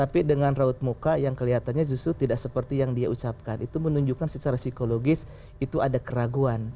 tapi dengan raut muka yang kelihatannya justru tidak seperti yang dia ucapkan itu menunjukkan secara psikologis itu ada keraguan